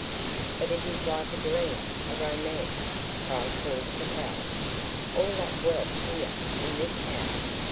"But it is like a dream a romance," cried Paul Capel. "All that wealth here in this house!